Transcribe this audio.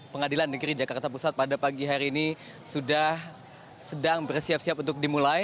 pengadilan negeri jakarta pusat pada pagi hari ini sudah sedang bersiap siap untuk dimulai